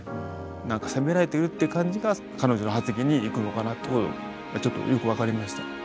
なんか責められているっていう感じが彼女の発言にいくのかなっていうことちょっとよく分かりました。